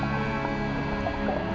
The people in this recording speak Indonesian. aku saling dikarpati badanku